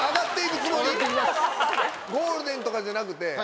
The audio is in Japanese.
ゴールデンとかじゃなくて？